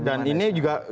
dan ini juga